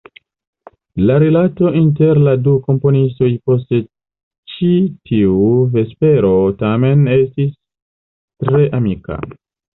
La rilato inter la du komponistoj post ĉi tiu vespero tamen estis tre amika.